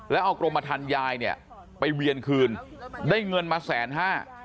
แล้วเอากรมทันยายเนี่ยไปเวียนคืนได้เงินมาแสนห้า